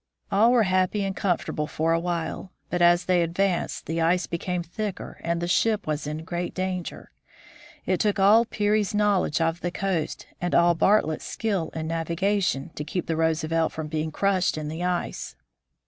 All were happy and comfortable for a while, but as they advanced the ice became thicker and the ship was in great danger. It took all Peary's knowledge of the coast, and all Bartlett's skill in navigation, to keep the Roosevelt from being crushed in the ice.